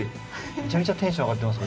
めちゃめちゃテンション上がってます